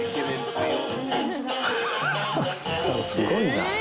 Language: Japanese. すごいな。